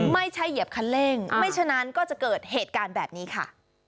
เหยียบคันเร่งไม่ฉะนั้นก็จะเกิดเหตุการณ์แบบนี้ค่ะ